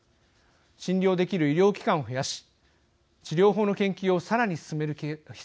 診療できる医療機関を増やし治療法の研究をさらに進める必要があります。